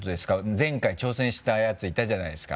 前回挑戦したヤツいたじゃないですか。